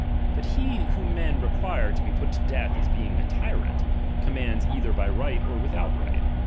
But he whom men require to be put to death as being 4t tyrant, commands either by right or without right.